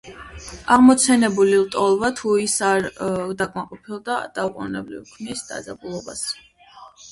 აღმოცენებული ლტოლვა, თუ ის არ დაკმაყოფილდა, დაუყონებლივ ქმნის დაძაბულობას.